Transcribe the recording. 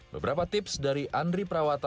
beberapa tips dari andri prawata